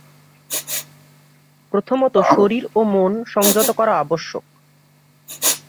প্রথমত শরীর ও মন সংযত করা আবশ্যক।